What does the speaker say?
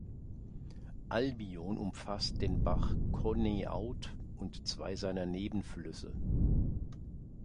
Albion umfasst den Bach Conneaut und zwei seiner Nebenflüsse.